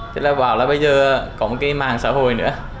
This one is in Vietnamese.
thế là bảo là bây giờ có một cái màn hình xã hội nữa